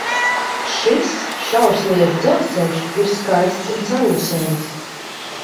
Šis šaursliežu dzelzceļš ir skaists un sarūsējis.